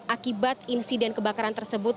akibat insiden kebakaran tersebut